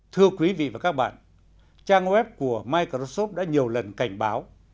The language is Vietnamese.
thưa quý vị và các bạn trang web của microsoft đã nhiều lần cảnh báo